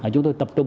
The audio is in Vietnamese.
chúng tôi tập trung